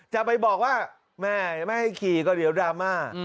จะไปบอกว่าแม่ไม่ให้ขี่ก็เดี๋ยวดราม่า